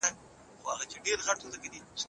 د ښار د چارو پوهه د يونانيانو لپاره مهمه وه.